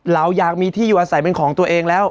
เราอยากมีที่อยู่อาศัยเป็นของตัวเองแล้ว